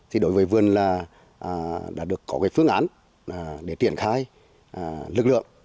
thì đối với vườn là đã được có cái phương án để triển khai lực lượng